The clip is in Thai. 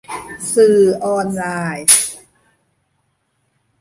สื่อออนไลน์